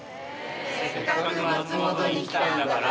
「せっかく松本に来たんだから」